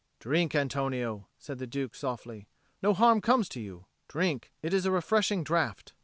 "Drink, Antonio," said the Duke softly. "No harm comes to you. Drink: it is a refreshing draught."